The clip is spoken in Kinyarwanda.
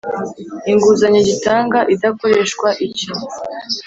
inguzanyo gitanga idakoreshwa icyo